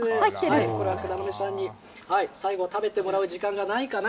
これ、管波さんに最後、食べてもらう時間がないかな？